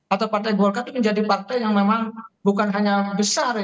atau partai golkar itu menjadi partai yang memang bukan hanya besar ya